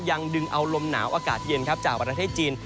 ยังดึงเอาลมหนาวอากาศเย็นจากประเทศจีน